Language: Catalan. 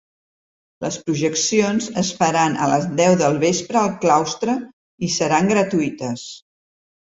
Les projeccions es faran a les deu del vespre al claustre, i seran gratuïtes.